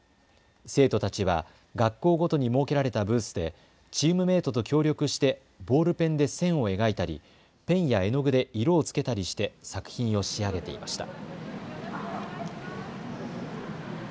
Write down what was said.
生徒たちは学校ごとに設けられたブースでチームメートと協力してボールペンで線を描いたりペンや絵の具で色をつけたりして作品を仕上げていました。